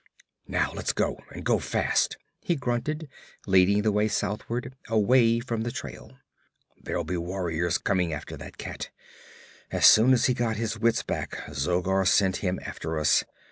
'Now let's go, and go fast!' he grunted, leading the way southward, away from the trail. 'There'll be warriors coming after that cat. As soon as he got his wits back Zogar sent him after us.